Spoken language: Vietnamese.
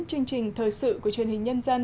chương trình thời sự của truyền hình nhân dân